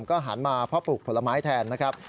ก็หันมาเพาะปลูกผลไม้แทนนะครับ